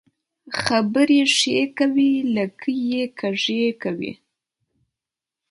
خبري ښې کوې ، لکۍ يې کږۍ کوې.